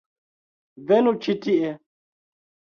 - Venu ĉi tie